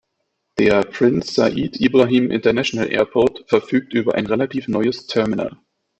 Der Prince Said Ibrahim International Airport verfügt über ein relativ neues Terminal.